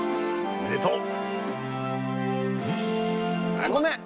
あっごめん！